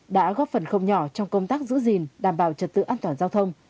đã góp phần không nhỏ trong công tác giữ gìn đảm bảo trật tự an toàn giao thông